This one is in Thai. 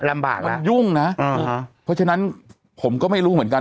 ลำบากมันยุ่งนะเพราะฉะนั้นผมก็ไม่รู้เหมือนกัน